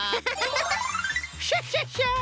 クシャシャシャ！